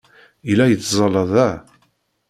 Yella yettẓalla da.